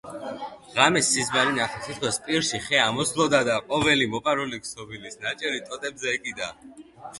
ღამეს სიზმარი ნახა: თითქოს პირში ხე ამოსვლოდა და ყოველი მოპარული ქსოვილის ნაჭერი ტოტებზე ეკიდა.